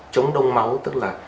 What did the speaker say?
chống đông máu tức là